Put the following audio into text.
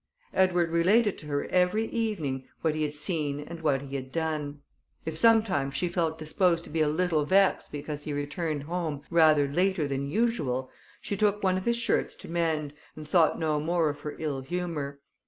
Edward related to her every evening, what he had seen and what he had done. If sometimes she felt disposed to be a little vexed because he returned home rather later than usual, she took one of his shirts to mend, and thought no more of her ill humour.